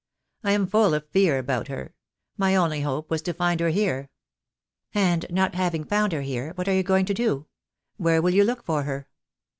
I am full of fear about her. My only hope was to find her here." "And not having found her here, what are you going to do? Where will you look for her?"